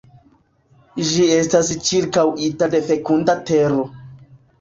Ĝi estas ĉirkaŭita de fekunda tero.